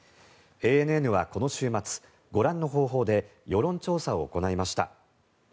ＡＮＮはこの週末、ご覧の方法で世論調査を行いました。